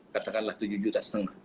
katakanlah tujuh lima juta